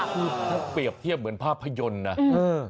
ค่ะคือเปรียบเทียบเหมือนภาพยนตร์นะอืม